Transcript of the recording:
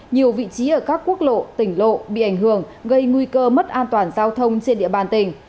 nhiều vị trí ở các quốc lộ tỉnh lộ bị ảnh hưởng gây nguy cơ mất an toàn giao thông trên địa bàn tỉnh